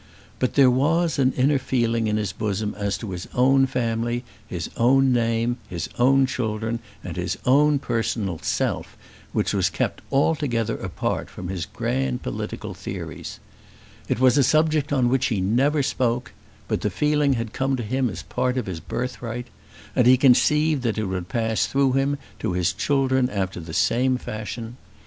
But there was an inner feeling in his bosom as to his own family, his own name, his own children, and his own personal self, which was kept altogether apart from his grand political theories. It was a subject on which he never spoke; but the feeling had come to him as a part of his birthright. And he conceived that it would pass through him to his children after the same fashion.